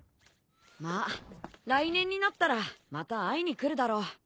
まあ来年になったらまた会いに来るだろう。